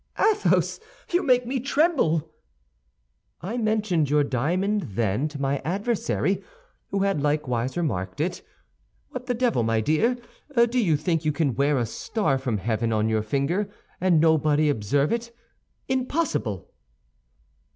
"Athos, you make me tremble!" cried D'Artagnan. "I mentioned your diamond then to my adversary, who had likewise remarked it. What the devil, my dear, do you think you can wear a star from heaven on your finger, and nobody observe it? Impossible!"